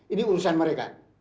ini urusan mereka